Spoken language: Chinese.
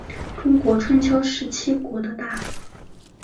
中国春秋时期齐国的大夫。